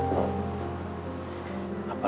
terima kasih pak